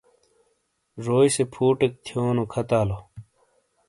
زوئی سے فُوٹیک تھیونو کھاتالو۔